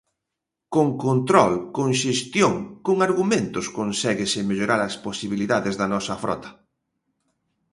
Con control, con xestión, con argumentos conséguese mellorar as posibilidades da nosa frota.